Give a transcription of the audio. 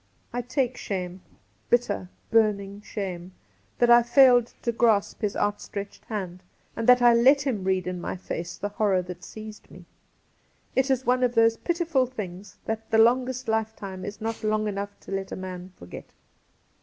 I take shame — bitter, burning shame — that I failed to grasp his outstretched hand, and that I let him read in my face the hoiror that seized me. It is one of those pitiful things that the longest lifetime is not long enough to let a man forget.